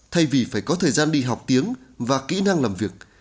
thay vì phải có thời gian đi học tiếng và kỹ năng làm việc